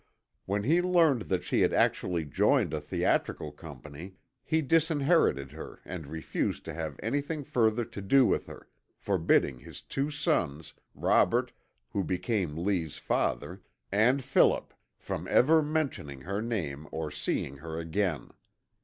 When he learned that she had actually joined a theatrical company, he disinherited her and refused to have anything further to do with her, forbidding his two sons, Robert, who became Lee's father, and Philip, from ever mentioning her name or seeing her again.